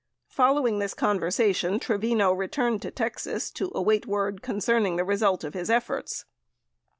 Follow ing this conversation, Trevino returned to Texas to await word con cerning the result of his efforts.